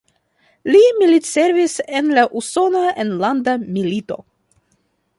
Li militservis en la Usona Enlanda Milito.